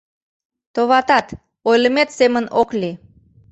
Товатат, ойлымет семын ок лий.